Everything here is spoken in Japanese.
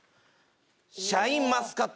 シャインマスカット。